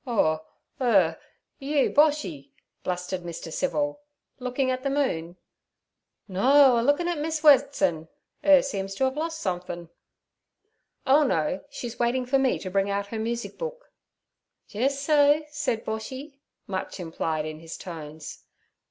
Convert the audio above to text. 'Oh, ur, you Boshy?' blustered Mr. Civil; 'looking at the moon?' 'No, a lookin' at Miss Wetson; 'er seems to 'ave loss somethin'.' 'Oh no; she's waiting for me to bring out her music book.' 'Jis so' said Boshy, much implied in his tones.